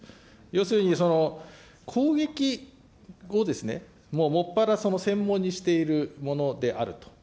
要するに、攻撃をもっぱら専門にしているものであると。